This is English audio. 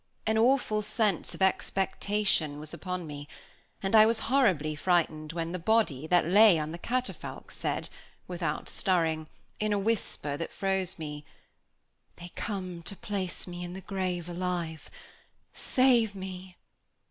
An awful sense of expectation was upon me, and I was horribly frightened when the body that lay on the catafalque said (without stirring), in a whisper that froze me, "They come to place me in the grave alive; save me."